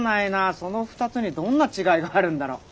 その２つにどんな違いがあるんだろう。